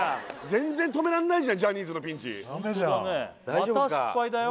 全然止めらんないじゃんジャニーズのピンチダメじゃんまた失敗だよ？